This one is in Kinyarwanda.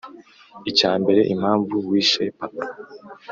icyambere impamvu wishe papa?